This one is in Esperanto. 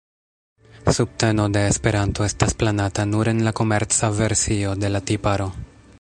Subteno de Esperanto estas planata nur en la komerca versio de la tiparo.